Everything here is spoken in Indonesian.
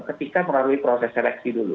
ketika melalui proses seleksi dulu